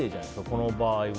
この場合は。